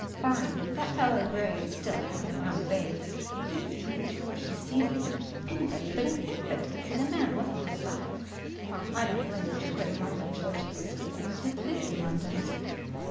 "Fine. That fellow Gray is still hanging round Babe. It beats me what she sees in him. Anybody but an infant could see the man wasn't on the level. Well, I don't blame you for quitting London, George. This sort of thing is worth fifty Londons."